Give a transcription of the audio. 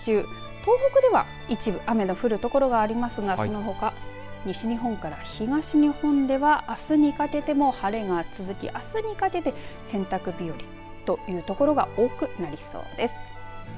東北では一部雨の降る所がありますがそのほか西日本から東日本ではあすにかけても晴れが続きあすにかけて洗濯日和という所が多くなりそうです。